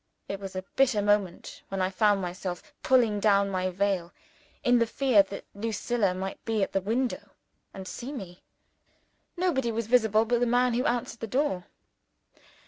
It was a bitter moment when I found myself pulling down my veil, in the fear that Lucilla might be at the window and see me! Nobody was visible but the man who answered the door.